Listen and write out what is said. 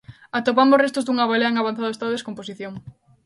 Atopamos restos dunha balea en avanzado estado de descomposición.